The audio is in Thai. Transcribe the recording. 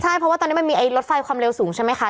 ใช่เพราะว่าตอนนี้มันมีรถไฟความเร็วสูงใช่ไหมคะ